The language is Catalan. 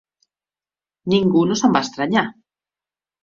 Ningú no se'n va estranyar.